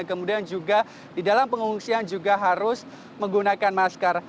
kemudian juga di dalam pengungsian juga harus menggunakan masker